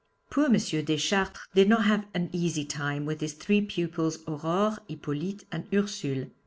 Poor M. Deschartres did not have an easy time with his three pupils Aurore, Hippolyte, and Ursule.